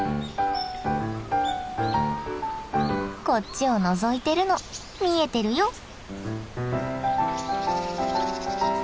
こっちをのぞいてるの見えてるよ。